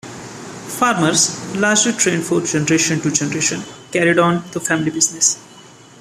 Farmers, largely trained from generation to generation, carried on the family business.